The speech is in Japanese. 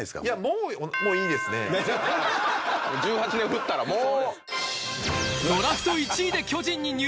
１８年振ったらもう。